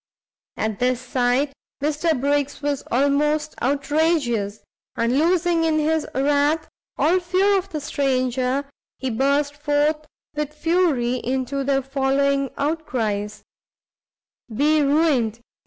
At this sight, Mr Briggs was almost outrageous, and losing in his wrath, all fear of the stranger, he burst forth with fury into the following outcries, "Be ruined!